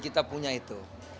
kita punya itu